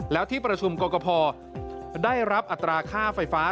แล้วที่ประชุมกรกภได้รับอัตราค่าไฟฟ้า